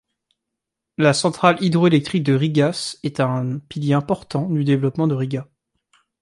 La centrale hydroélectrique de Rigas est un pilier important du développement de Riga.